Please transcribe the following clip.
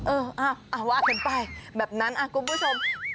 โอ๊ยเออว่าเผ็ดไปแบบนั้นกลุ่มผู้ชม